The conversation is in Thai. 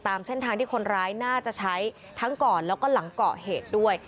ตามเส้นทางที่คนร้ายน่าจะใช้ทั้งก่อนแล้วก็หลังเกาะเหตุด้วย